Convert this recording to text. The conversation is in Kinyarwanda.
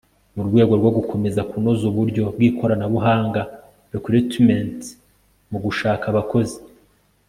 Mu rwego rwo gukomeza kunoza uburyo bw ikoranabuhanga e recruitment mu gushaka abakozi